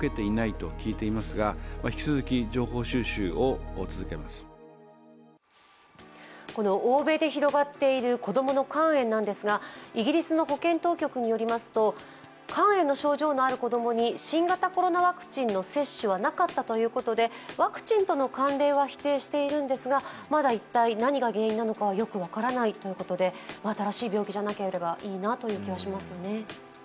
松野官房長官はこの欧米で広がっている子供の肝炎ですがイギリスの保健当局によりますと、肝炎の症状のある子供に新型コロナウイルスのワクチンの接種はなかったということでワクチンとの関連は否定しているんですが、まだ一体何が原因なのかはよく分からないということで新しい病気じゃなければいいなという気がしますね。